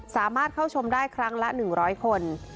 สามารถเข้าชมได้ครั้งละ๑๐๐คน